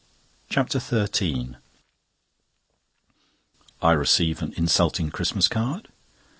CHAPTER XIII I receive an insulting Christmas card.